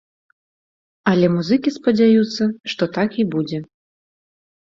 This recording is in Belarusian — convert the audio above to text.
Але музыкі спадзяюцца, што так і будзе.